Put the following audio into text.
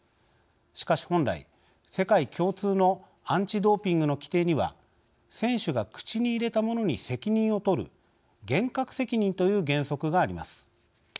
しかし本来、世界共通のアンチドーピングの規定には選手が口に入れたものに責任を取る厳格責任という原則があります。